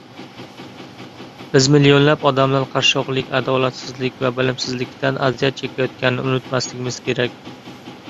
biz millionlab odamlar qashshoqlik, adolatsizlik va bilimsizlikdan aziyat chekayotganini unutmasligimiz kerak.